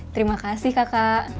terima kasih kakak